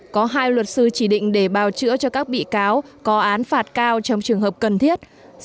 có hai luật sư chỉ định để bào chữa cho các bị cáo có án phạt cao trong trường hợp cần thiết